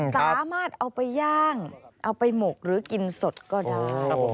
สามารถเอาไปย่างเอาไปหมกหรือกินสดก็ได้